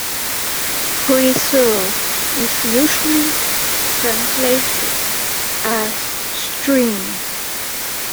"Ruisseau" is usually translated as stream.